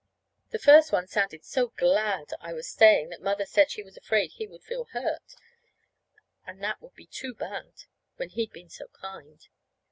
The first one sounded so glad I was staying that Mother said she was afraid he would feel hurt, and that would be too bad when he'd been so kind.